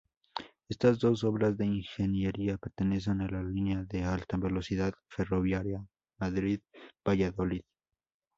Estas dos obras de ingeniería pertenecen a la línea de alta velocidad ferroviaria Madrid-Valladolid.